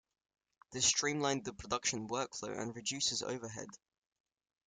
This streamlined the production workflow and reduces overhead.